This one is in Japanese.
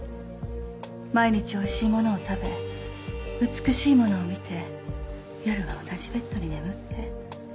毎日おいしいものを食べ美しいものを見て夜は同じベッドに眠って。